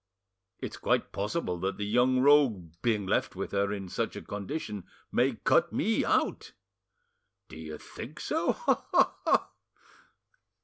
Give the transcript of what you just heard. "It's quite possible that the young rogue, being left with her in such a condition, may cut me out." "Do you think so?—Ha! ha! ha!"